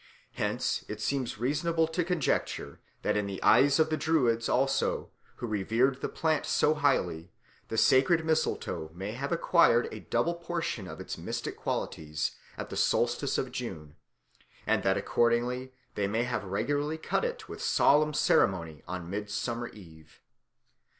Hence it seems reasonable to conjecture that in the eyes of the Druids, also, who revered the plant so highly, the sacred mistletoe may have acquired a double portion of its mystic qualities at the solstice in June, and that accordingly they may have regularly cut it with solemn ceremony on Midsummer Eve.